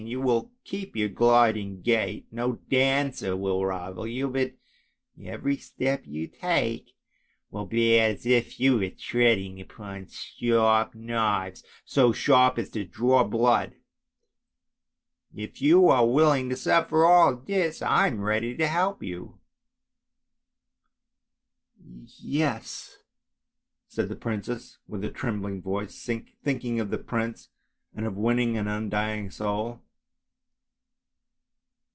You will keep your gliding gait, no dancer will rival you, but every step you take will be as if you were treading upon sharp knives, so sharp as to draw blood. If you are willing to suffer all this I am ready to help you! "" Yes! " said the little princess with a trembling voice, thinking of the prince and of winning an undying soul.